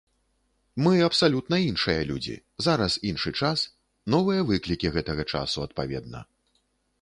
Мы абсалютна іншыя людзі, зараз іншы час, новыя выклікі гэтага часу адпаведна.